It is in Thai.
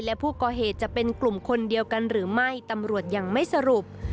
และผู้ก่อเหตุจะเป็นกลุ่มคนเดียวกันหรือไม่ตำรวจยังไม่สรุป